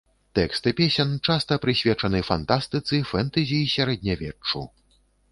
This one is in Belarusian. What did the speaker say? Тэксты песен часта прысвечаны фантастыцы, фэнтэзі і сярэднявеччу.